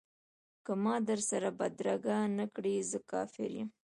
که ما در سره بدرګه نه کړ زه کافر یم.